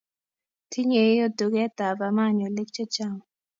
tinyei duketab Amani oliik chechang